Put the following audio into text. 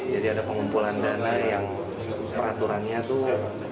jadi ada pengumpulan dana yang peraturannya itu sederhana